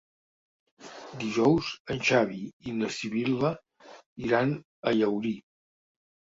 Dijous en Xavi i na Sibil·la iran a Llaurí.